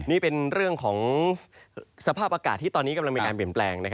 นี่เป็นเรื่องของสภาพอากาศที่ตอนนี้กำลังมีการเปลี่ยนแปลง